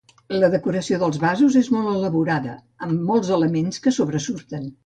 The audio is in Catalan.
La decoració dels vasos és molt elaborada, amb molts elements que sobresurten.